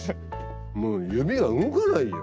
もう指が動かないよ